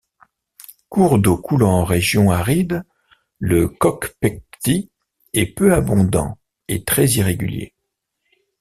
Cours d'eau coulant en région aride, le Kokpekty est peu abondant et très irrégulier.